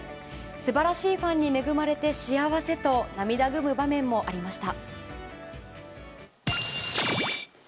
素晴らしいファンに恵まれて幸せと涙ぐむ場面もありました。